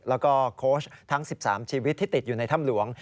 แล้วก็โค้ชทั้ง๑๓ชีวิตที่ติดอยู่ในถ้ำหลวง